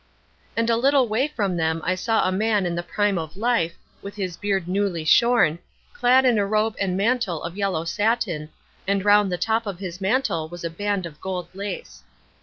"And a little away from them I saw a man in the prime of life, with his beard newly shorn, clad in a robe and mantle of yellow satin, and round the top of his mantle was a band of gold lace.